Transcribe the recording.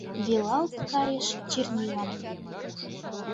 Велалт кайыш чернилам.